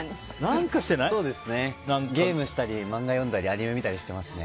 ゲームしたりマンガ読んだりアニメ見たりしてますね。